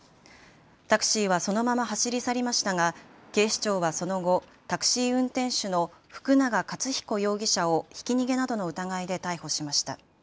タクシーはそのまま走り去りましたが警視庁はその後、タクシー運転手の福永克彦容疑者をひき逃げなどの疑いで逮捕しました。